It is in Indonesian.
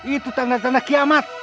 itu tanda tanda kiamat